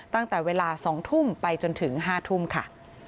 ตั้งแต่เวลา๒ทุ่มไปจนถึง๕ทุ่มค่ะ